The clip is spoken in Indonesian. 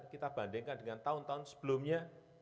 kita bandingkan dengan tahun tahun sebelumnya